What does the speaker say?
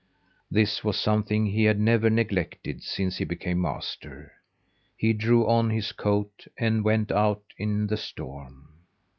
This was something he had never neglected since he became master. He drew on his coat and went out in the storm.